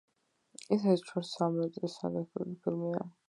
ის რეჟისორ სემ მენდესის სადებიუტო ფილმია.